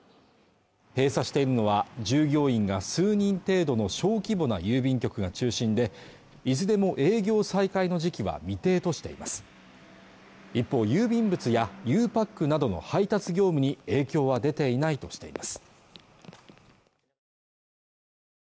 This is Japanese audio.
閉鎖しているのは従業員が数人程度の小規模な郵便局が中心でいずれも営業再開の時期は未定としています一方、郵便物やゆうパックなどの配達業務に影響は出ていないとしています